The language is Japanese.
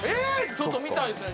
ちょっと見たいですね